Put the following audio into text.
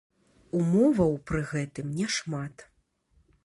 Умоваў пры гэтым няшмат.